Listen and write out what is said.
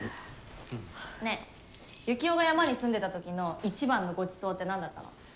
ねえユキオが山に住んでた時の一番のごちそうって何だったの？